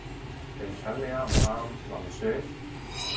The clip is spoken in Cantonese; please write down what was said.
肥腸你啱唔啱？林雪？